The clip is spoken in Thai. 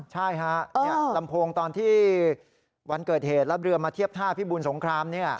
ใช่ฮะลำโพงตอนที่วันเกิดเหตุแล้วเรือมาเทียบท่าพิบูลสงคราม